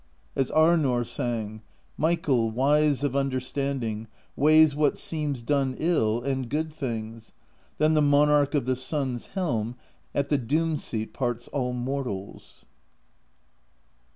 As Arnorr sang: Michael, wise of understanding. Weighs what seems done ill, and good things: Then the Monarch of the Sun's Helm At the Doom Seat parts all mortals.